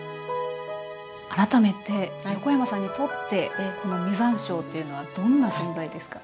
改めて横山さんにとってこの実山椒というのはどんな存在ですか？